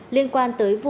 liên quan tới vụ